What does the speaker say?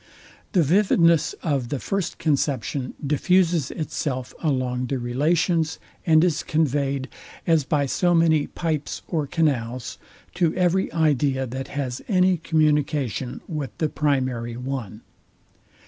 The vividness of the first conception diffuses itself along the relations, and is conveyed, as by so many pipes or canals, to every idea that has any communication with the primary one.